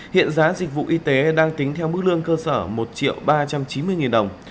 hiện giá dịch vụ y tế đang tính theo mức lương cơ sở một ba trăm chín mươi đồng